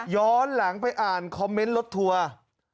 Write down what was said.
ย้อนหลังไปอ่านคอมเมนต์รถทัวร์